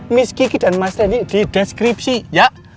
miss kiki dan mas randy di deskripsi ya